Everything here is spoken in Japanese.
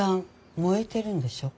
燃えてるんでしょ。